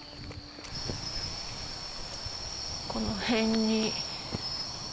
この辺に。